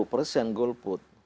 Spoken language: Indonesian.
mayoritaslah kaum milenial itu